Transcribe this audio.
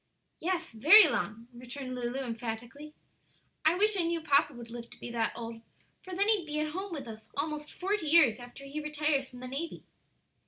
"Yes; very long," returned Lulu, emphatically. "I wish I knew papa would live to be that old, for then he'd be at home with us almost forty years after he retires from the navy."